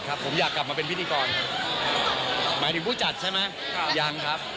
ทุกคนทำงานในวงการบรรเทิงได้ครับ